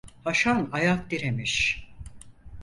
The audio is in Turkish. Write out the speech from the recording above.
Haşan ayak diremiş…